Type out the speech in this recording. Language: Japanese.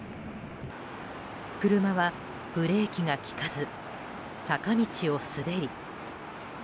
車はブレーキが利かず坂道を滑り。